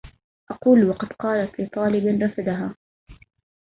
أقول وقد قالت لطالب رفدها